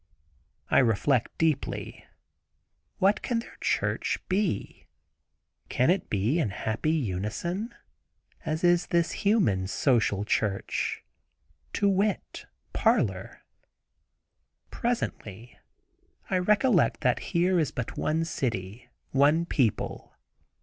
I reflect deeply, what can their church be? Can it be in happy unison, as is this human social church—to wit, parlor? Presently I recollect that here is but one city, one people.